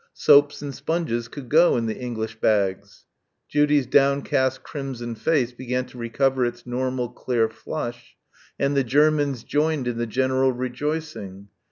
Soaps and sponges could go in the English bags. Judy's downcast crimson face began to recover its normal clear flush, and the Germans joined in the general rejoicing.